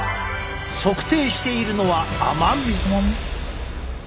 測定しているのは甘み。